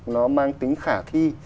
nó mang tính khả thi